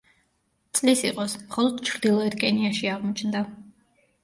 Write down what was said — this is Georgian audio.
წლის იყოს, მხოლოდ ჩრდილოეთ კენიაში აღმოჩნდა.